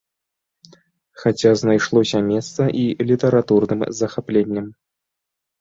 Хаця знайшлося месца і літаратурным захапленням.